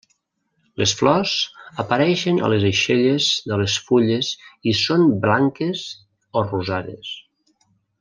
Les flors apareixen a les aixelles de les fulles i són blanques o rosades.